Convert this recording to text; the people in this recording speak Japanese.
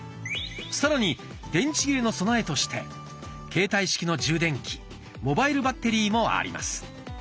さらに電池切れの備えとして携帯式の充電器「モバイルバッテリー」もあります。